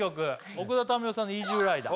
奥田民生さんの「イージュー★ライダー」